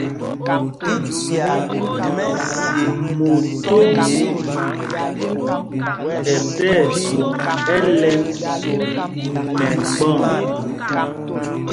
Mótom ɛ́ ti ɛjwoŋ ɛ́lɛ̄nd nɛ mgbɔ̂ŋ.